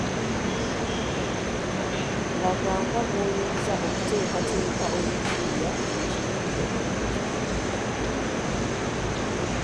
Laga nga bw’oyinza okuteekateeka okuyiiya ekiyiiye era n’okiwandiika.